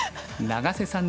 永瀬さん